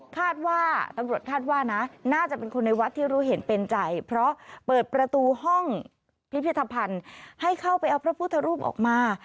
คาดว่าตำรวจคาดว่านะน่าจะเป็นคนในวัดที่รู้เห็นเป็นใจเพราะเปิดประตูห้องพิพิธภัณฑ์ให้เข้าไปเอาพระพุทธรูปออกมา